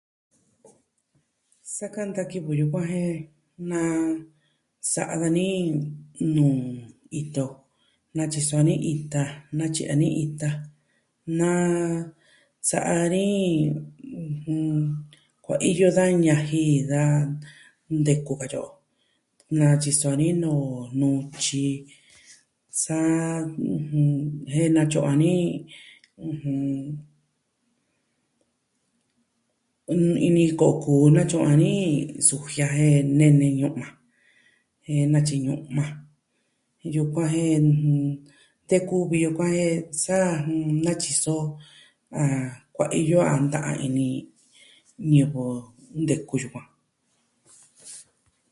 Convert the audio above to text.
Sa kanta kivɨ yukuan je... na... sa'a nuu ito, dani ito. Natyiso ni ita, natyi'i a ni ita. na sa'a ni... ɨjɨn... kuaiyo da ñaji da ndeku katyi o. Natyiso ni nuu nutyi. Sa... jen natyu'u o ni... ɨjɨn... ini kokun natyu'u a ni sujia jen nee nee ñu'ma jen natyi ñu'ma. Yukuan jen te ku vi yukuan e sa natyiso a... kuaiyo a nta'an ini ñivɨ nteku yukuan.